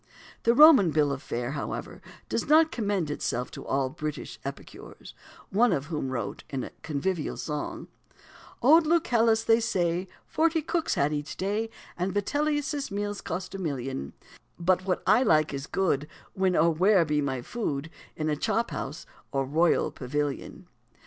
The Roman bill of fare, however, does not commend itself to all British epicures, one of whom wrote, in a convivial song "Old Lucullus, they say, Forty cooks had each day, And Vitellius's meals cost a million; But I like what is good, When or where be my food, In a chop house or royal pavilion.